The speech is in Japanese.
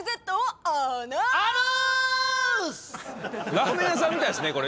ラーメン屋さんみたいですねこれ。